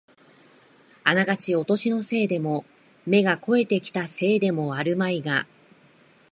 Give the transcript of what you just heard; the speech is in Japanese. あながちお年のせいでも、目が肥えてきたせいでもあるまいが、